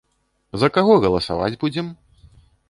За каго галасаваць будзем?